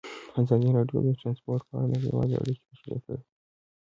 ازادي راډیو د ترانسپورټ په اړه نړیوالې اړیکې تشریح کړي.